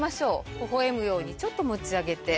ほほ笑むようにちょっと持ち上げて。